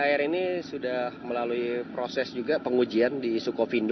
jadi air ini sudah melalui proses juga pengujian di sukovindo